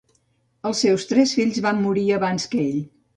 Els seus tres fills van morir abans que ell.